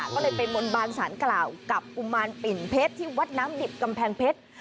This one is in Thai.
ก็เลยไปบนบานสารกล่าวกับกุมารปิ่นเพชรที่วัดน้ำดิบกำแพงเพชร